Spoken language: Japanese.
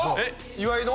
岩井の？